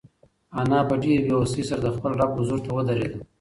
انا په ډېرې بېوسۍ سره د خپل رب حضور ته ودرېده.